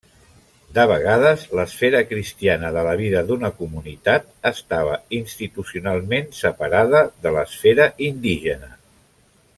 De vegades, l'esfera cristiana de la vida d'una comunitat estava institucionalment separada de l'esfera indígena.